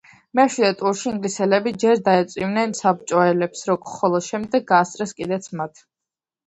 მეშვიდე ტურში ინგლისელები ჯერ დაეწივნენ საბჭოელებს, ხოლო შემდეგ გაასწრეს კიდეც მათ.